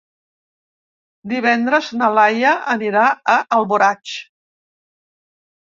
Divendres na Laia anirà a Alboraig.